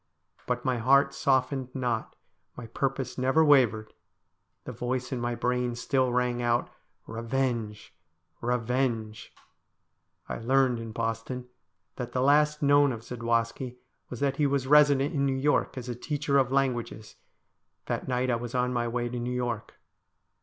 But my heart softened not, my purpose never wavered ; the voice in my brain still rang out ' Bevenge ! revenge !' I learned in Boston that the last known of Zadwaski was that he was resident in New York as a teacher of languages : that night I was on my way to New York.